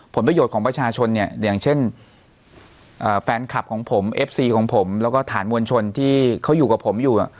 ผลประโยชน์ของประชาชนเนี่ยอย่างเช่นแฟนคลับของผมเอฟซีของผมแล้วก็ฐานมวลชนที่เขาอยู่กับผมอยู่